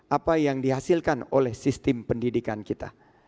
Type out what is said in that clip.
apa yang dihasilkan oleh sistem pendidikan kita